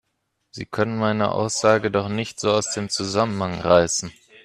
Sie können meine Aussage doch nicht so aus dem Zusammenhang reißen